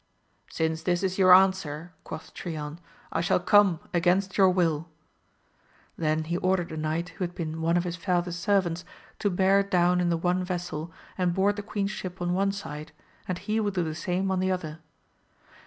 Since this is your answer, quoth Trion, I shall come against your will Then he ordered a knight who had been one of his father's servants to bear down in the one vessel and board the queen's ship on one side and he would do the same on the other.